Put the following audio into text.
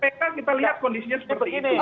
kita lihat kondisinya seperti itu